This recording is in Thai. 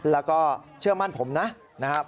แล้วก็เชื่อมั่นผมนะครับ